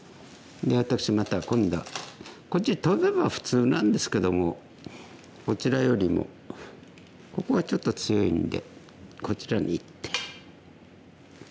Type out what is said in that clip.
で私また今度はこっちにトベば普通なんですけどもこちらよりもここがちょっと強いんでこちらに一手。